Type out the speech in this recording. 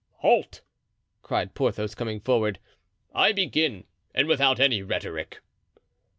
"Halt!" cried Porthos coming forward. "I begin, and without any rhetoric."